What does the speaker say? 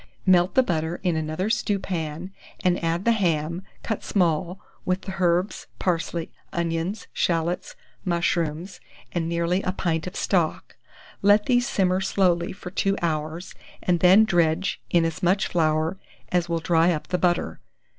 Melt the butter in another stewpan, and add the ham, cut small, with the herbs, parsley, onions, shallots, mushrooms, and nearly a pint of stock; let these simmer slowly for 2 hours, and then dredge in as much flour as will dry up the butter.